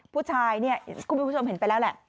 ผู้ชายเนี่ยคุณผู้ชมเห็นไปแล้วแหละ